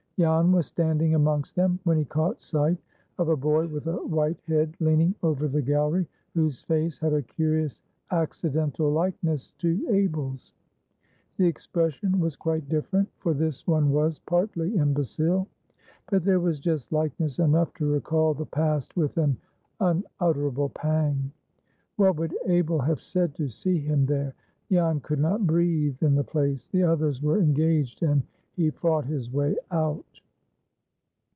Jan was standing amongst them, when he caught sight of a boy with a white head leaning over the gallery, whose face had a curious accidental likeness to Abel's. The expression was quite different, for this one was partly imbecile, but there was just likeness enough to recall the past with an unutterable pang. What would Abel have said to see him there? Jan could not breathe in the place. The others were engaged, and he fought his way out.